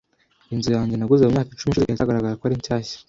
Inzu yanjye naguze mu myaka icumi ishize, iracyagaragara ko ari shyashya .